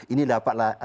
ini dapat layak diusulkan